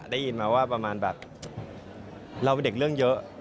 ได้ยินมาว่าประมาณแบบเราเป็นเด็กเรื่องเยอะ